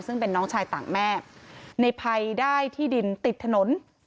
ซึ่งเป็นน้องชายต่างแม่ในภัยได้ที่ดินติดถนน